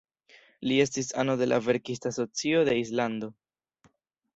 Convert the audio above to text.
Li estis ano de la verkista asocio de Islando.